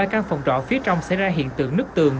hai căn phòng trọ phía trong xảy ra hiện tượng nứt tường